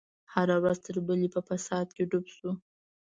هره ورځ تر بلې په فساد کې ډوب شو.